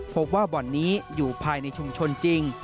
บ่อนนี้อยู่ภายในชุมชนจริง